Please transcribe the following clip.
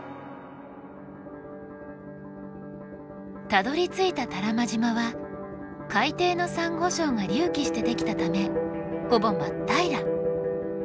たどりついた多良間島は海底のサンゴ礁が隆起して出来たためほぼ真っ平ら。